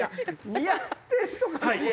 似合ってるとか。